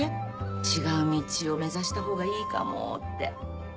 違う道を目指したほうがいいかもって。